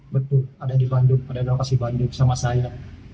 betul ada di bandung ada lokasi bandung sama saya